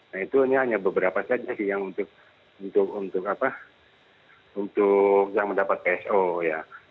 nah itu ini hanya beberapa saja sih yang untuk yang mendapat pso ya